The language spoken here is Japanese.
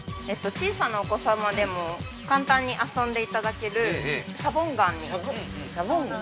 ◆小さなお子様でも簡単に遊んでいただけるシャボンガンに。